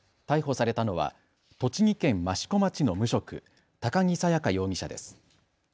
逮捕されたのは栃木県益子町の無職、高木沙耶花容疑者です。